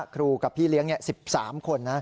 ครูกับพี่เลี้ยง๑๓คน